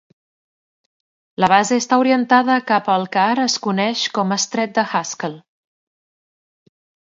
La base està orientada cap a el que ara es coneix com Estret de Haskell.